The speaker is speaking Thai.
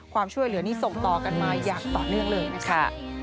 ความช่วยเหลือนี่ส่งต่อกันมาอย่างต่อเนื่องเลยนะคะ